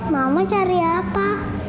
mama cari apa